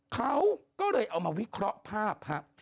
เขาก็เลยเอามาวิเคราะห์ภาพครับ